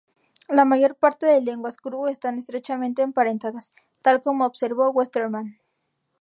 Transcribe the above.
La mayor parte de lenguas kru están estrechamente emparentadas, tal como observó Westermann.